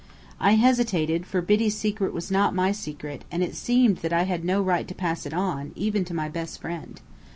I hesitated, for Biddy's secret was not my secret, and it seemed that I had no right to pass it on, even to my best friend.